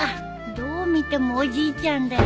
どう見てもおじいちゃんだよ。